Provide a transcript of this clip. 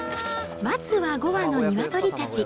まずは５羽のニワトリたち。